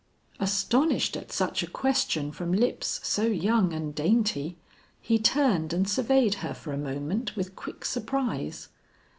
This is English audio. Astonished at such a question from lips so young and dainty, he turned and surveyed her for a moment with quick surprise.